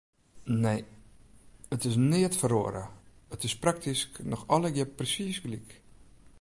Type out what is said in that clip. Nee, it is neat feroare, it is praktysk noch allegear presiis gelyk.